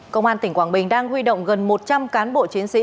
công an tỉnh quảng bình đang huy động gần một trăm linh cán bộ chiến sĩ